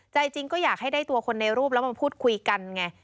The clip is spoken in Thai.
ใจจริงก็อยากให้ได้ตัวคนในรูปแล้วมาพูดคุยกันไง